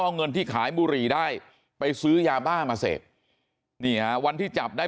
เอาเงินที่ขายบุหรี่ได้ไปซื้อยาบ้ามาเสพนี่ฮะวันที่จับได้